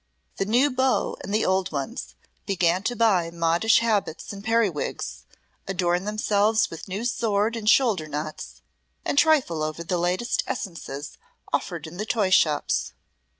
The new beaux and the old ones began to buy modish habits and periwigs, adorn themselves with new sword and shoulder knots, and trifle over the latest essences offered in the toyshops.